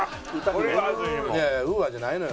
いやいやＵＡじゃないのよ。